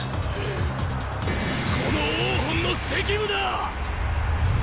この王賁の責務だ！！